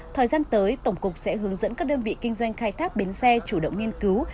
thời gian tới tổng cục sẽ hướng dẫn các đơn vị kinh doanh khai thác bến xe chủ động nghiên cứu